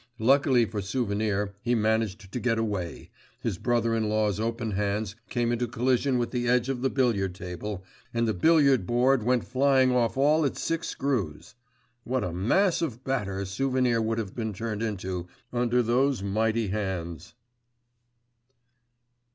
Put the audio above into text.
Luckily for Souvenir he managed to get away, his brother in law's open hands came into collision with the edge of the billiard table, and the billiard board went flying off all its six screws.… What a mass of batter Souvenir would have been turned into under those mighty hands!